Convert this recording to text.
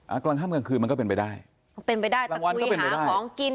อ่าก่อนข้ามกลางคืนมันก็เป็นไปได้เป็นไปได้รางวันก็เป็นไปได้แต่คุยหาของกิน